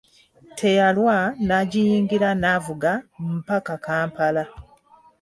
Teyalwa n'agiyingira n'avuga mpaka kampala.